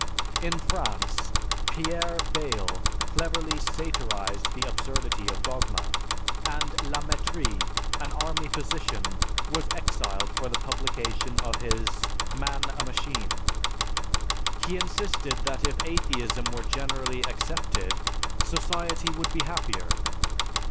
In France, Pierre Bayle cleverly satirized the absurdity of dogma, and La Mettrie, an army physician, was exiled for the publication of his "Man a Machine." He insisted that if atheism were generally accepted society would be happier.